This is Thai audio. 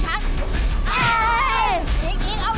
ทางนี้ทาง